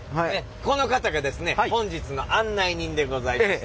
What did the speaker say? この方がですね本日の案内人でございます。